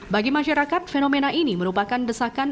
bagi masyarakat fenomena ini merupakan desakan